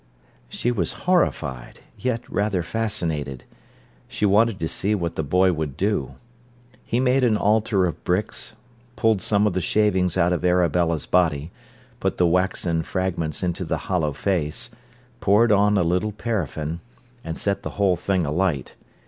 She was horrified, yet rather fascinated. She wanted to see what the boy would do. He made an altar of bricks, pulled some of the shavings out of Arabella's body, put the waxen fragments into the hollow face, poured on a little paraffin, and set the whole thing alight.